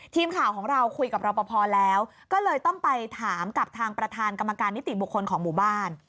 ทีมข่าวของเราคุยกับรอปภแล้วก็เลยต้องไปถามกับทางประธานกรรมการนิติบุคคลของหมู่บ้าน